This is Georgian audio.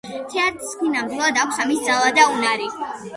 თეატრს კი ნამდვილად აქვს ამის ძალა და უნარი.